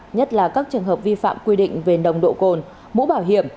nhất là các trường hợp vi phạm quy định về nồng độ cồn mũ bảo hiểm